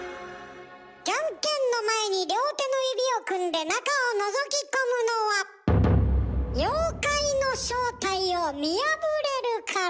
じゃんけんの前に両手の指を組んで中をのぞき込むのは妖怪の正体を見破れるから。